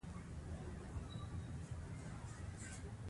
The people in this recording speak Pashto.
آيا دغه ليکوال په پښتو ژبه تسلط لري؟